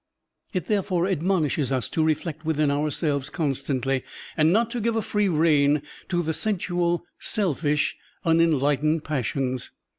It there fore admonishes us to reflect within ourselves constantly and not to give a free rein to the sensual, selfish, unenlightened passions.